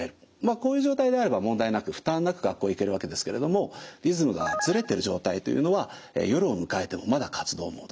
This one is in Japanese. こういう状態であれば問題なく負担なく学校へ行けるわけですけれどもリズムがずれてる状態というのは夜を迎えてもまだ活動モード。